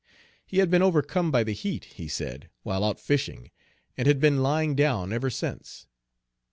He had been overcome by the heat, he said, while out fishing, and had been lying down ever since.